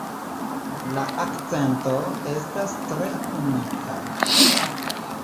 La akcento estas tre unika.